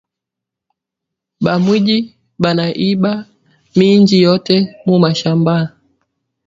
Ba mwiji bana iba minji yote mu mashamba